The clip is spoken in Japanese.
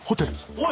おい。